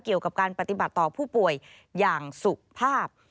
เกี่ยวกับการปฏิบัติต่อผู้ป่วยอย่างสุภาพ